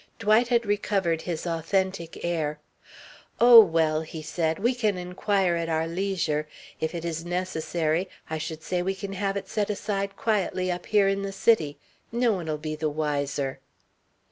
Dwight had recovered his authentic air. "Oh, well," he said, "we can inquire at our leisure. If it is necessary, I should say we can have it set aside quietly up here in the city no one'll be the wiser."